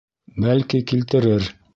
Бәлки, килтерер.